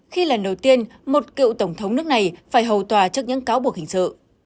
khi lần đầu tiên một cựu tổng thống nước này phải hầu tòa trước những cáo buộc hình sự